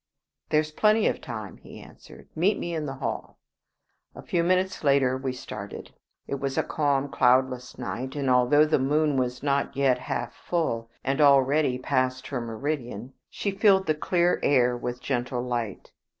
"There's plenty of time," he answered; "meet me in the hall." A few minutes later we started. It was a calm, cloudless night, and although the moon was not yet half full, and already past her meridian, she filled the clear air with gentle light.